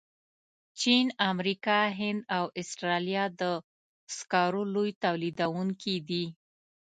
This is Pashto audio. چین، امریکا، هند او استرالیا د سکرو لوی تولیدونکي دي.